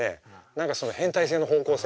何かその変態性の方向性。